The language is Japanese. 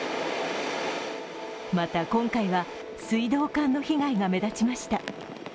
また、今回は水道管の被害が目立ちました。